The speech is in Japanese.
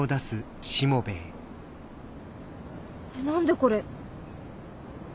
何でこれ。